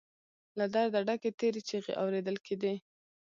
له درده ډکې تېرې چيغې اورېدل کېدې.